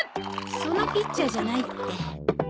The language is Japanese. そのピッチャーじゃないって。